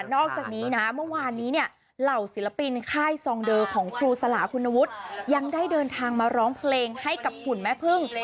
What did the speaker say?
อกจากนี้นะเมื่อวานนี้เนี่ยเหล่าศิลปินค่ายซองเดอร์ของครูสลาคุณวุฒิยังได้เดินทางมาร้องเพลงให้กับหุ่นแม่พึ่ง